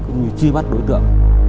cũng như truy bắt đối tượng